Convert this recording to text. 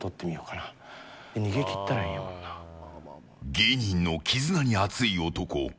芸人の絆に熱い男。